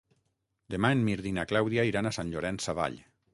Demà en Mirt i na Clàudia iran a Sant Llorenç Savall.